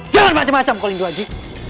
jangan macam macam kau lindu haji